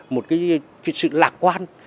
một cái chuyện sự lạc quan